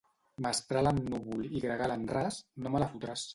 Mestral en núvol i gregal en ras, no me la fotràs.